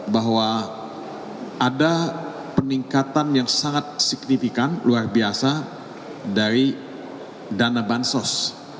bahwa ada peningkatan yang sangat signifikan luar biasa dari dana bansos